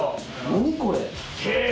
何これ？